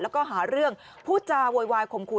แล้วก็หาเรื่องพูดจาโวยวายข่มขู่